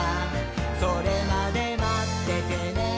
「それまでまっててねー！」